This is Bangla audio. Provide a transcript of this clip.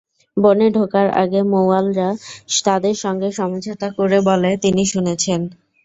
বনে ঢোকার আগে মৌয়ালরা তাদের সঙ্গে সমঝোতা করে বলে তিনি শুনেছেন।